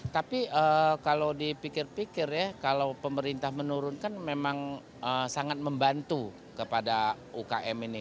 tapi kalau dipikir pikir ya kalau pemerintah menurunkan memang sangat membantu kepada ukm ini